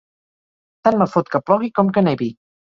Tant me fot que plogui com que nevi!